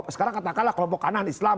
sekarang katakanlah kelompok kanan islam